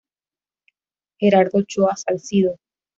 Gerardo Ochoa Salcido.